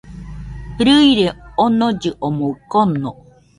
Rɨire onollɨ omɨ kono